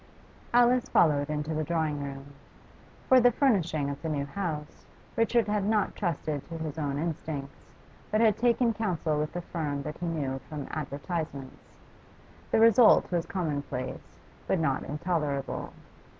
Alice followed into the drawing room. For the furnishing of the new house Richard had not trusted to his own instincts, but had taken counsel with a firm that he knew from advertisements. The result was commonplace, but not intolerable.